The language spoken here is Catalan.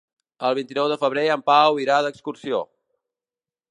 El vint-i-nou de febrer en Pau irà d'excursió.